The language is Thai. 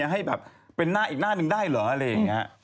ให้แบบเป็นหน้าอีกหน้าหนึ่งได้เหรออะไรอย่างนี้